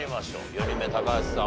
４人目高橋さん